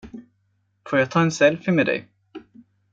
Får jag ta en selfie med dig.